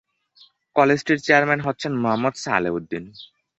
কলেজটির chairman হচ্ছেন মোহাম্মদ সালেহ উদ্দিন।